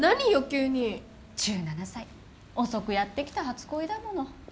急に１７歳遅くやってきた初恋だもの